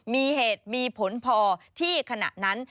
มีเหตุมีผลพอที่ขณะนั้น